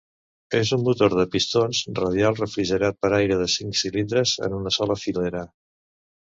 És un motor de pistons radial refrigerat per aire de cinc cilindres en una sola filera.